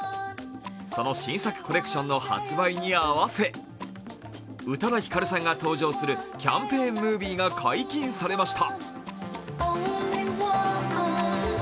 その新作コレクションの発売に合わせ宇多田ヒカルさんが登場するキャンペーンムービーが公開されました。